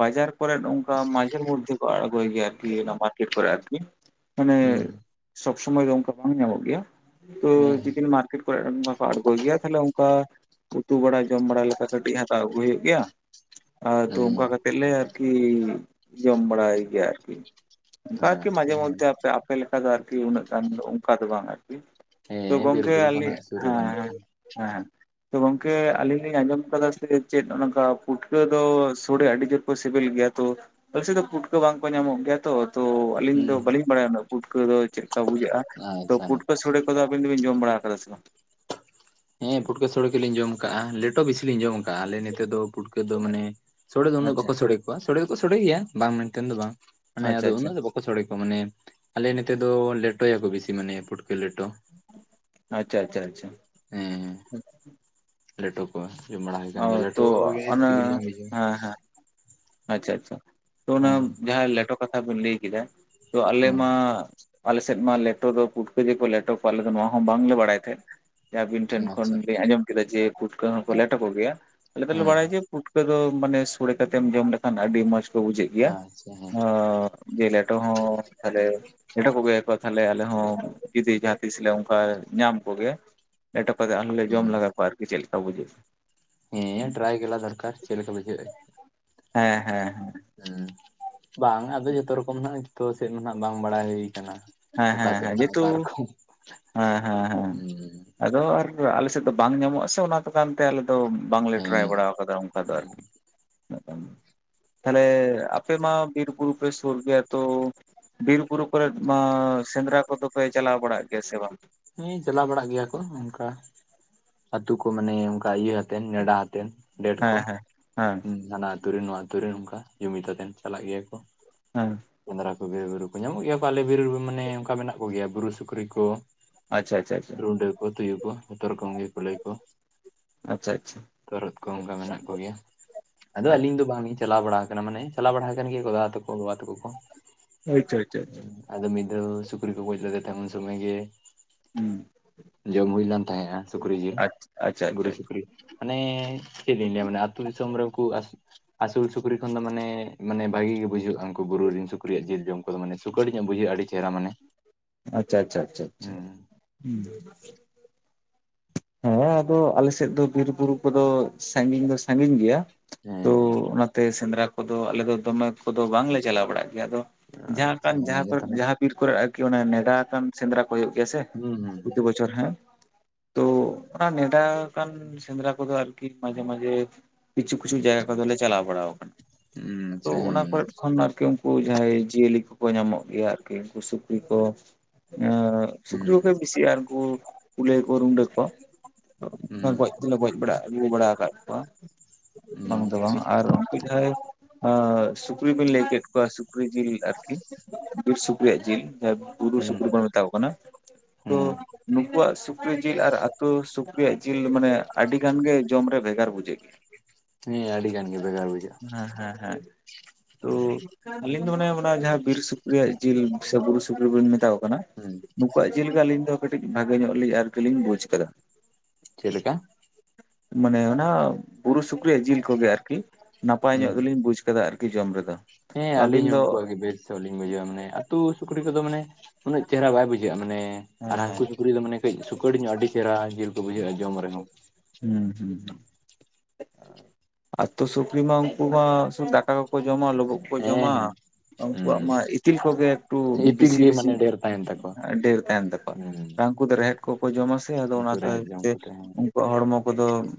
ᱵᱟᱡᱟᱨ ᱠᱚᱨᱮ ᱱᱚᱝᱠᱟ ᱢᱟᱡᱷᱮᱨ ᱢᱚᱫᱫᱷᱮ ᱠᱚ ᱟᱬᱜᱳᱭ ᱜᱮᱭᱟ ᱾ ᱫᱤᱭᱮ ᱱᱟ ᱢᱟᱨᱠᱮᱴ ᱠᱚᱨᱮ ᱟᱨᱠᱤ ᱦᱩᱸ ᱢᱟᱱᱮ ᱥᱚᱵᱽ ᱥᱚᱢᱚᱭ ᱫᱚ ᱚᱱᱠᱟ ᱵᱟᱝ ᱧᱟᱢᱚᱜ ᱜᱮᱭᱟ ᱾ ᱛᱳ ᱦᱩᱸ ᱡᱮᱫᱤᱱ ᱢᱟᱨᱠᱮᱴ ᱠᱚᱨᱮ ᱚᱱᱠᱟ ᱠᱚ ᱟᱬᱜᱳᱭ ᱜᱮᱭᱟ ᱛᱟᱦᱞᱮ ᱚᱝᱠᱟ ᱩᱛᱩ ᱵᱟᱲᱟ ᱡᱚᱢ ᱵᱟᱲᱟ ᱞᱮᱠᱟ ᱠᱟᱹᱴᱤᱡ ᱦᱟᱛᱟᱣ ᱟᱹᱜᱩ ᱦᱳᱭᱳᱜ ᱜᱮᱭᱟ ᱾ ᱟ ᱛᱳ ᱦᱩᱸ ᱚᱱᱠᱟ ᱠᱟᱛᱮᱜ ᱞᱮ ᱟᱨᱠᱤ ᱡᱚᱢ ᱵᱟᱲᱟᱭ ᱜᱮᱭᱟ ᱟᱨᱠᱤ ᱾ ᱚᱱᱠᱟ ᱦᱩᱸ ᱟᱨᱠᱤ ᱟᱪᱪᱷᱟ ᱢᱟᱡᱷᱮ ᱦᱮᱸ ᱢᱚᱫᱫᱷᱮ ᱟᱯᱮ ᱟᱯᱮᱞᱮᱠᱟ ᱫᱚ ᱟᱨᱠᱤ ᱩᱱᱟᱹᱜ ᱜᱟᱱ ᱫᱚ ᱚᱱᱠᱟ ᱫᱚ ᱵᱟᱝ ᱟᱨᱠᱤ ᱾ ᱛᱳ ᱦᱮᱸ ᱵᱤᱨ ᱜᱚᱝᱠᱮ ᱵᱩᱨᱩ ᱠᱚ ᱟᱞᱤ ᱱᱟᱜ ᱥᱩᱨ ᱨᱮ ᱦᱮᱸ ᱵᱟᱹᱱᱩᱜ ᱠᱷᱟᱱ ᱦᱮᱸ ᱦᱮᱸ᱾ ᱛᱳ ᱜᱚᱝᱠᱮ ᱟᱞᱤᱧ ᱞᱤᱧ ᱟᱸᱡᱚᱢ ᱠᱟᱫᱟ ᱥᱮ ᱪᱮᱫ ᱚᱱᱠᱟ ᱯᱩᱴᱠᱟᱹ ᱫᱚ ᱥᱳᱲᱮ ᱟᱹᱰᱤ ᱡᱳᱨ ᱠᱳ ᱥᱮᱵᱮᱞ ᱜᱮᱭᱟ ᱛᱳ ᱟᱹᱥᱮᱫ ᱫᱚ ᱯᱩᱴᱠᱟᱹ ᱵᱟᱝᱠᱚ ᱧᱟᱢᱚᱜ ᱜᱮᱭᱟ ᱾ ᱛᱚ ᱛᱚ ᱟᱞᱤᱧ ᱫᱚ ᱦᱩᱸ ᱵᱟᱞᱤᱧ ᱵᱟᱲᱟᱭᱟ ᱩᱱᱟᱹᱜ ᱯᱩᱴᱠᱟᱹ ᱫᱚ ᱪᱮᱫᱠᱟ ᱵᱩᱡᱟᱹᱜᱼᱟ, ᱛᱳ ᱟᱪᱪᱷᱟ ᱯᱩᱴᱠᱟᱹ ᱥᱳᱲᱮ ᱛᱚ ᱫᱚ ᱟᱵᱤᱱ ᱫᱚᱵᱤᱧ ᱡᱚᱢ ᱵᱟᱲᱟ ᱟᱠᱟᱫᱟ ᱥᱮ ᱵᱟᱝ? ᱦᱮᱸ ᱯᱩᱴᱠᱟᱹ ᱥᱳᱲᱮ ᱠᱚᱞᱤᱧ ᱡᱚᱢ ᱠᱟᱜᱼᱟ᱾ ᱞᱮᱴᱚ ᱵᱮᱥᱤ ᱞᱤᱧ ᱡᱚᱢ ᱟᱠᱟᱜᱼᱟ ᱟᱞᱮ ᱱᱮᱛᱮ ᱫᱚ ᱯᱷᱩᱴᱠᱟᱹ ᱫᱚ ᱢᱟᱱᱮ ᱥᱳᱲᱮ ᱫᱚ ᱩᱱᱟᱹᱜ ᱟᱪᱪᱷᱟ ᱵᱟᱠᱚ ᱥᱳᱲᱮ ᱠᱚᱣᱟ, ᱥᱳᱲᱮ ᱫᱚᱠᱚ ᱥᱳᱲᱮ ᱜᱮᱭᱟ ᱵᱟᱝ ᱢᱮᱱᱛᱮ ᱫᱚ ᱵᱟᱝ ᱢᱟᱱᱮ ᱟᱪᱪᱷᱟ ᱟᱫᱚ ᱟᱪᱪᱷᱟ ᱩᱱᱟᱹᱜ ᱫᱚ ᱵᱟᱠ ᱠᱚ ᱥᱳᱲᱮ ᱠᱚᱣᱟ ᱢᱟᱱᱮ ᱟᱞᱮ ᱱᱮᱛᱮ ᱫᱚ ᱞᱮᱴᱚᱭᱟᱠᱚ ᱵᱮᱥᱤ ᱢᱟᱱᱮ ᱯᱩᱴᱠᱟᱹ ᱞᱮᱴᱚ ᱾ ᱟᱪᱪᱷᱟ ᱟᱪᱪᱷᱟ ᱟᱪᱪᱷᱟ ᱾ ᱦᱮᱸ ᱦᱮᱸ ᱞᱮᱴᱚ ᱠᱚ ᱡᱚᱢ ᱵᱟᱲᱟ ᱦᱳᱭ ᱚ ᱠᱟᱱ ᱜᱮᱭᱟ, ᱛᱚ ᱞᱮᱴᱚ ᱠᱚᱜᱮ ᱚᱱᱟ ᱥᱤᱵᱤᱞ ᱞᱤᱧ ᱵᱩᱡᱷᱟᱹᱣᱟ ᱾ ᱦᱮᱸ ᱦᱮᱸ ᱟᱪᱪᱷᱟ ᱟᱪᱪᱷᱟ ᱛᱳ ᱚᱱᱟ ᱡᱟᱸᱦᱟᱸ ᱞᱮᱴᱚ ᱠᱟᱛᱷᱟ ᱵᱮᱱ ᱞᱮᱭ ᱠᱮᱫᱟ ᱛᱳ ᱟᱞᱮ ᱦᱮᱸ ᱢᱟᱻ ᱟᱞᱮᱥᱮᱫ ᱢᱟ ᱞᱮᱴᱚ ᱫᱚ ᱯᱩᱴᱠᱟᱹ ᱜᱮᱠᱚ ᱞᱮᱴᱚ ᱠᱚᱣᱟ ᱟᱞᱮ ᱫᱚ ᱱᱚᱣᱟ ᱦᱚᱸ ᱵᱟᱝᱞᱮ ᱵᱟᱲᱟᱭ ᱛᱮᱦᱮᱸᱫ ᱾ ᱡᱟᱸᱦᱟᱸ ᱟᱹᱵᱤᱱ ᱴᱷᱮᱱ ᱦᱮᱸ ᱠᱷᱚᱱ ᱟᱪᱪᱷᱟ ᱞᱤᱧ ᱟᱸᱡᱚᱢ ᱠᱮᱫᱟ ᱡᱮ ᱯᱩᱴᱠᱟᱹ ᱦᱚᱠᱚ ᱞᱮᱴᱚ ᱠᱜᱮᱭᱟ ᱟᱞᱮ ᱫᱚᱞᱮ ᱦᱮᱸ ᱵᱟᱲᱟᱭᱟ ᱡᱮ ᱯᱩᱴᱠᱟᱹ ᱫᱚ ᱢᱟᱱᱮ ᱥᱳᱲᱮ ᱠᱟᱛᱮᱢ ᱡᱚᱢ ᱞᱮᱠᱷᱟᱱ ᱟᱹᱰᱤ ᱢᱚᱡᱽ ᱠᱚ ᱵᱩᱡᱷᱟᱹᱜ ᱜᱮᱭᱟ ᱟᱪᱪᱷᱟ ᱦᱮᱸ ᱟᱻ ᱡᱮ ᱞᱮᱴᱚ ᱦᱚᱸ ᱟᱞᱮ ᱞᱮᱴᱚ ᱠᱚᱜᱮᱭᱟᱠᱚ ᱛᱟᱦᱚᱞᱮ ᱟᱞᱮ ᱦᱚᱸ ᱡᱩᱫᱤ ᱡᱟᱸᱦᱟᱸ ᱛᱤᱥ ᱞᱮ ᱚᱱᱠᱟ ᱧᱟᱢ ᱠᱚᱜᱮ ᱞᱮᱴᱚ ᱠᱟᱛᱮᱫ ᱟᱞᱮ ᱞᱮ ᱡᱚᱢ ᱦᱮᱸ ᱞᱟᱜᱟᱠᱚᱣᱟ ᱟᱨᱠᱤ ᱪᱮᱫ ᱞᱮᱠᱟ ᱵᱩᱡᱷᱟᱹᱜᱼᱟ᱾ ᱦᱮᱸ ᱴᱨᱟᱭ ᱞᱟᱜᱟ ᱫᱚᱨᱠᱟᱨ ᱪᱮᱫ ᱞᱮᱠᱟ ᱵᱩᱡᱷᱟᱹᱜ ᱟ ᱾ ᱦᱮᱸ ᱦᱮᱸ ᱾ ᱩᱢ ᱵᱟᱝ ᱟᱫᱚ ᱡᱷᱚᱛᱚ ᱨᱚᱠᱚᱢ ᱱᱟᱟᱜ ᱡᱚᱛᱚ ᱥᱮᱫ ᱱᱟᱜ ᱵᱟᱝ ᱵᱟᱲᱟᱭ ᱦᱳᱭ ᱠᱟᱱᱟ ᱦᱮᱸ ᱾ ᱚᱠᱟ ᱦᱮᱸ ᱥᱮᱫ ᱦᱮᱸ ᱦᱟᱸᱜ ᱡᱮᱦᱮᱛᱩ ᱚᱠᱟ ᱨᱚᱠᱚᱢ ᱦᱮᱸ ᱦᱮᱸ ᱦᱮᱸ ᱦᱩᱸ᱾ ᱟᱫᱚ ᱟᱨ ᱟᱞᱮᱥᱮᱫ ᱫᱚ ᱵᱟᱝ ᱧᱟᱢᱚᱜᱼᱟ ᱥᱮ ᱚᱱᱟ ᱫᱳᱠᱟᱱᱛᱮ ᱟᱞᱮ ᱫᱚ ᱵᱟᱝᱞᱮ ᱴᱨᱟᱭ ᱦᱮᱸ ᱵᱟᱲᱟ ᱠᱟᱫᱟ ᱚᱱᱠᱟ ᱫᱚ ᱟᱨᱠᱤ ᱾ ᱛᱟᱦᱚᱞᱮ ᱟᱯᱮ ᱢᱟ ᱵᱤᱨ ᱵᱩᱨᱩ ᱯᱮ ᱥᱳᱨ ᱜᱮᱭᱟ ᱛᱳ ᱵᱤᱨ ᱵᱩᱨᱩ ᱠᱚᱨᱮ ᱢᱟ ᱥᱮᱸᱫᱽᱨᱟ ᱠᱚᱫᱚ ᱯᱮ ᱪᱟᱞᱟᱣ ᱵᱟᱲᱟᱜ ᱜᱮᱭᱟ ᱥᱮ ᱵᱟᱝ? ᱦᱮᱸ ᱪᱟᱞᱟᱣ ᱵᱟᱲᱟᱜ ᱜᱮᱭᱟ ᱠᱚ ᱚᱱᱠᱟ ᱟᱹᱛᱩ ᱠᱚ ᱢᱟᱱᱮ ᱚᱱᱠᱟ ᱤᱭᱟᱹ ᱟᱛᱮᱜ ᱱᱮᱰᱟ ᱦᱟᱛᱮᱜ᱾ ᱰᱮᱴ ᱠᱚ ᱦᱮᱸ ᱦᱮᱸ ᱦᱮᱸ ᱦᱟᱱᱟ ᱟᱛᱳᱨᱮ ᱱᱚᱣᱟ ᱟᱛᱳᱨᱮ ᱚᱱᱠᱟ ᱡᱩᱢᱤᱫ ᱠᱟᱛᱮᱜ ᱪᱟᱞᱟᱜ ᱜᱮᱭᱟ ᱠᱚ ᱾ ᱦᱮᱸ᱾ ᱥᱮᱸᱫᱽᱨᱟ ᱠᱚ ᱵᱤᱨᱵᱩᱨᱩ ᱠᱚ ᱧᱟᱢᱚᱜ ᱜᱮᱭᱟ ᱠᱚ ᱟᱞᱮ ᱵᱤᱨᱵᱩᱨᱩ ᱢᱟᱱᱮ ᱚᱱᱠᱟ ᱢᱮᱱᱟᱜ ᱠᱚᱜᱮᱭᱟ ᱵᱩᱨᱩ ᱥᱩᱠᱨᱤ ᱠᱚ᱾ ᱟᱪᱷᱟ ᱟᱪᱷᱟ ᱾ ᱰᱟᱹᱣ ᱠᱚ ᱛᱩᱭᱩ ᱠᱚ ᱡᱷᱚᱛᱚ ᱨᱚᱠᱚᱢ ᱜᱮ ᱠᱩᱞᱟᱹᱭ ᱠᱚ ᱟᱪᱪᱷᱟ ᱟᱪᱪᱷᱟ ᱛᱚᱨᱦᱚᱛ ᱠᱚ ᱚᱱᱠᱟ ᱢᱮᱱᱟᱜ ᱠᱚᱜᱮᱭᱟ ᱟᱫᱚ ᱟᱹᱞᱤᱧ ᱫᱚ ᱵᱟᱝ ᱪᱟᱞᱟᱣ ᱵᱟᱲᱟ ᱠᱟᱱᱟ ᱢᱟᱱᱮ ᱪᱟᱞᱟᱣ ᱵᱟᱲᱟ ᱠᱟᱱ ᱜᱮᱭᱟ ᱫᱟᱫᱟ ᱛᱟᱠᱚ ᱵᱟᱵᱟ ᱛᱟᱠᱚ ᱠᱚ᱾ ᱟᱪᱪᱷᱟ ᱟᱪᱪᱷᱟ ᱾ ᱟᱫᱚ ᱢᱤᱫ ᱫᱷᱟᱣ ᱥᱩᱠᱨᱤ ᱠᱚ ᱜᱚᱡᱽ ᱞᱮᱫᱮᱛᱟᱸᱦᱮ ᱩᱱ ᱥᱩᱢᱟᱹᱭ ᱜᱮ ᱦᱩᱸ᱾ ᱡᱚᱢ ᱦᱩᱭᱞᱮᱱ ᱛᱟᱦᱮᱸᱜᱼᱟ ᱥᱩᱠᱨᱤ ᱡᱤᱞ ᱟᱪᱪᱷᱟ ᱟᱪᱪᱷᱟ ᱟᱪᱪᱷᱟ ᱵᱩᱨᱩ ᱥᱩᱠᱨᱤ᱾ ᱢᱟᱱᱮ ᱪᱮᱫᱞᱤᱧ ᱞᱟᱹᱭ ᱟᱵᱤᱱᱟ ᱟᱛᱩ ᱫᱤᱥᱚᱢ ᱨᱮ ᱩᱱᱠᱩ ᱟᱥᱩ ᱟᱹᱥᱩᱞ ᱥᱩᱠᱨᱤ ᱠᱷᱚᱱ ᱫᱚ ᱢᱟᱱᱮ ᱢᱟᱱᱮ ᱵᱷᱟᱹᱜᱤ ᱜᱮ ᱵᱩᱡᱷᱟᱹᱜᱼᱟ ᱩᱱᱠᱩ ᱵᱩᱨᱩ ᱨᱮᱱ ᱥᱩᱠᱨᱤᱭᱟᱜ ᱡᱤᱞ ᱡᱚᱢ ᱠᱚᱫᱚ ᱢᱟᱱᱮ ᱥᱩᱠᱟᱹᱴ ᱧᱚᱜ ᱵᱡᱟᱹᱜᱼᱟ ᱟᱹᱰᱤ ᱪᱮᱨᱦᱟ ᱢᱟᱱᱮ᱾ ᱟᱪᱪᱷᱟ ᱟᱪᱪᱷᱟ ᱟᱪᱪᱷᱟ ᱟᱪᱷᱟ ᱦᱩᱸ ᱦᱩᱸ᱾ ᱦᱮᱸ ᱟᱫᱚ ᱟᱞᱮᱥᱮᱫ ᱫᱚ ᱵᱤᱨ ᱵᱩᱨᱩ ᱠᱚᱫᱚ ᱥᱟᱺᱜᱤᱧ ᱫᱚ ᱥᱟᱺᱜᱤᱧ ᱜᱮᱭᱟ᱾ ᱦᱮᱸᱦᱮᱸ᱾ ᱛᱮ ᱥᱮᱸᱫᱽᱨᱟ ᱠᱚᱫᱚ ᱟᱞᱮ ᱫᱚ ᱫᱚᱢᱮ ᱠᱚᱫᱚ ᱵᱟᱝᱞᱮ ᱪᱟᱞᱟᱣ ᱵᱟᱲᱟᱜ ᱜᱮᱭᱟ ᱟᱫᱚ ᱡᱟᱦᱟᱸ ᱟᱪᱪᱷᱟ ᱠᱟᱱ ᱡᱟᱦᱟᱸ ᱦᱮᱸ ᱜᱮᱛᱚ ᱠᱚᱨᱮᱫ ᱱᱟᱜ ᱡᱟᱦᱟᱸ ᱵᱤᱨ ᱠᱚᱨᱮᱫ ᱟᱨᱠᱤ ᱚᱱᱮ ᱱᱮᱰᱟ ᱟᱠᱟᱱ ᱥᱮᱸᱫᱽᱨᱟ ᱠᱚ ᱦᱩᱭᱩᱜ ᱜᱮᱭᱟ ᱥᱮ ᱦᱩᱸ ᱦᱩᱸ ᱯᱨᱚᱛᱤ ᱵᱚᱪᱷᱚᱨ ᱦᱮᱸ ᱛᱚ ᱚᱱᱟ ᱱᱮᱰᱟᱠᱟᱱ ᱥᱮᱸᱫᱽᱨᱟ ᱠᱚᱫᱚ ᱟᱨᱠᱤ ᱢᱟᱡᱷᱮ ᱢᱟᱡᱷᱮ ᱠᱤᱪᱷᱩ ᱠᱤᱪᱷᱩ ᱡᱟᱭᱜᱟ ᱠᱚᱫᱚᱞᱮ ᱪᱟᱞᱟᱣ ᱵᱟᱲᱟ ᱟᱠᱟᱱᱟ ᱦᱩᱸ ᱛᱚ ᱟᱪᱪᱷᱟ ᱚᱱᱟ ᱦᱮᱸ ᱠᱚᱨᱮᱫ ᱠᱷᱚᱱ ᱟᱨᱠᱤ ᱩᱱᱠᱩ ᱡᱟᱦᱟᱸᱭ ᱡᱤᱭᱟᱹᱞᱤ ᱠᱚᱠᱚ ᱧᱟᱢᱚᱜ ᱜᱮᱭᱟ ᱟᱨᱠᱤ ᱩᱱᱠᱩ ᱥᱩᱠᱨᱤ ᱠᱚ ᱮᱸᱜ ᱦᱩᱸ ᱥᱩᱠᱨᱤ ᱠᱚᱜᱮ ᱵᱤᱥᱤᱜ-ᱟ ᱟᱨ ᱩᱱᱠᱩ ᱠᱩᱞᱟᱹᱭ ᱠᱚ ᱨᱩᱰᱟᱹ ᱠᱚ ᱦᱩᱸ ᱛᱚ ᱜᱚᱡ ᱛᱤᱱᱟᱹᱜ ᱜᱚᱡ ᱵᱟᱲᱟ ᱟᱹᱜᱩ ᱵᱟᱲᱟ ᱟᱠᱟᱫ ᱠᱚᱣᱟ ᱵᱟᱝ ᱦᱩᱸ ᱫᱚ ᱵᱟᱝ ᱟᱪᱪᱷᱟ ᱟᱨ ᱩᱱᱠᱩ ᱡᱟᱦᱟᱸᱭ ᱟᱸ ᱥᱩᱠᱨᱤ ᱵᱤᱱ ᱞᱟᱹᱭ ᱠᱮᱫ ᱠᱚᱣᱟ ᱥᱩᱠᱨᱤ ᱡᱤᱞ ᱟᱨᱠᱤ ᱵᱤᱨ ᱥᱩᱠᱨᱤᱭᱟᱜ ᱡᱤᱞ᱾ ᱦᱚᱸ ᱵᱩᱨᱩ ᱦᱩᱸ ᱥᱩᱠᱨᱤ ᱵᱚᱱ ᱢᱮᱛᱟᱣᱟᱠᱚ ᱠᱟᱱᱟ ᱛᱚ ᱦᱩᱸ ᱱᱩᱠᱩᱣᱟᱜ ᱥᱩᱠᱨᱤ ᱡᱤᱞ ᱟᱨ ᱟᱛᱩ ᱥᱩᱠᱨᱤᱭᱟᱜ ᱡᱤᱞ ᱢᱟᱱᱮ ᱟᱹᱰᱤ ᱜᱟᱱ ᱜᱮ ᱡᱚᱢ ᱨᱮ ᱵᱷᱮᱜᱟᱨ ᱵᱩᱡᱷᱟᱹᱜ ᱜᱮᱭᱟ᱾ ᱦᱮᱸ ᱟᱹᱰᱤᱜᱟᱱ ᱜᱮ ᱵᱷᱮᱜᱟᱨ ᱵᱩᱡᱷᱟᱹᱜ-ᱟ᱾ ᱜᱮᱭᱟ ᱦᱮᱸ ᱦᱮᱸ ᱦᱮᱸ ᱛᱳ ᱟᱞᱤᱧ ᱫᱚ ᱢᱚᱱᱮᱦᱚᱭ ᱢᱟᱱᱮ ᱚᱱᱟ ᱡᱟᱦᱟᱸ ᱵᱤᱨ ᱥᱩᱠᱨᱤᱭᱟᱜ ᱡᱤᱞ ᱥᱮ ᱵᱩᱨᱩ ᱥᱩᱠᱨᱤ ᱵᱚᱱ ᱢᱮᱛᱟ ᱠᱚ ᱠᱟᱱᱟ ᱦᱩᱸ ᱱᱩᱠᱩᱣᱟᱜ ᱡᱮ ᱞᱮᱠᱟ ᱟᱹᱞᱤᱧ ᱫᱚ ᱠᱟᱹᱴᱤᱡ ᱵᱷᱟᱜᱮ ᱧᱚᱜ ᱞᱤᱧ ᱟᱨᱠᱤᱞᱤᱧ ᱵᱩᱡᱽ ᱠᱟᱫᱟ᱾ ᱪᱮᱜ ᱞᱮᱠᱟ? ᱢᱟᱱᱮ ᱚᱱᱟ ᱵᱩᱨᱩ ᱥᱩᱠᱨᱤᱭᱟᱜ ᱡᱤᱞ ᱠᱚᱜᱮ ᱟᱨᱠᱤ ᱱᱟᱯᱟᱭ ᱦᱩᱸ ᱧᱚᱜ ᱜᱮᱞᱤᱧ ᱵᱩᱡ ᱠᱟᱫᱟ ᱟᱨᱠᱤ ᱡᱚᱢ ᱨᱮᱫᱚ᱾ ᱦᱮᱸ ᱛᱚ ᱟᱹᱞᱤᱧ ᱟᱹᱵᱤᱱ ᱦᱚᱸ ᱫᱚ ᱩᱱᱠᱩᱣᱟᱜ ᱜᱮ ᱵᱮᱧᱚᱜ ᱞᱤᱧ ᱵᱩᱡᱷᱟᱹᱣᱟ ᱢᱟᱱᱮ ᱟᱹᱛᱩ ᱥᱩᱠᱨᱤ ᱠᱚᱫᱚ ᱢᱟᱱᱮ ᱩᱱᱟᱹᱜ ᱪᱮᱨᱦᱟ ᱵᱟᱭ ᱵᱩᱡᱷᱟᱹᱜᱼᱟ ᱢᱟᱱᱮ ᱟᱨ ᱦᱮᱸ ᱦᱟᱹᱝᱠᱩ ᱦᱮᱸ ᱪᱩᱠᱨᱤ ᱫᱚ ᱢᱟᱱᱮ ᱠᱟᱹᱴᱤᱡ ᱥᱩᱠᱟᱹᱲ ᱧᱚᱜ ᱟᱹᱰᱤ ᱪᱮᱨᱦᱟ ᱡᱤᱞ ᱠᱚ ᱵᱩᱡᱷᱟᱹᱜᱼᱟ ᱡᱚᱢ ᱨᱮᱦᱚᱸ᱾ ᱦᱩᱸ ᱦᱩᱸ ᱦᱩᱸ᱾ ᱟᱛᱳ ᱥᱩᱠᱨᱤ ᱢᱟ ᱩᱱᱠᱩ ᱢᱟ ᱥᱩᱫᱩ ᱫᱟᱠᱟ ᱠᱚᱠᱚ ᱡᱚᱢᱟ ᱞᱳᱵᱳᱜ ᱠᱚᱠᱚ ᱦᱮᱸ ᱡᱚᱢᱟ᱾ ᱦᱮᱸ ᱩᱱᱠᱩᱣᱟᱜ ᱢᱟ ᱦᱩᱸ ᱤᱛᱤᱞ ᱠᱚᱜᱮ ᱮᱠᱴᱩ ᱤᱛᱤᱞ ᱜᱮ ᱵᱤᱥᱤ-ᱵᱤᱥᱤ ᱢᱟᱱᱮ ᱧᱚᱜ ᱰᱷᱮᱨ ᱛᱟᱦᱮᱱ ᱛᱟᱠᱚᱣᱟ ᱰᱷᱮᱨ ᱛᱟᱦᱮᱸᱱ ᱦᱩᱸ ᱛᱟᱠᱚᱣᱟ ᱩᱱᱠᱩ ᱫᱚ ᱨᱮᱦᱮᱫ ᱠᱚᱠᱚ ᱡᱚᱢᱟ ᱥᱮ ᱟᱫᱚ ᱚᱱᱟ ᱩᱱᱠᱩ ᱛᱟ ᱨᱮᱦᱮᱫ ᱛᱮ ᱡᱚᱢ ᱥᱮ ᱠᱚᱛᱮ ᱦᱮᱸ ᱩᱝ ᱠᱩᱣᱟᱜ ᱦᱚᱲᱢᱚ ᱠᱚᱫᱚ